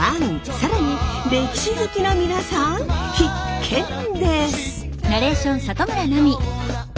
更に歴史好きの皆さん必見です！